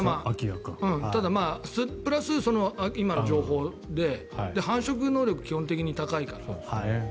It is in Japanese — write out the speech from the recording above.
ただ、それプラス今の情報で繁殖能力が基本的に高いから。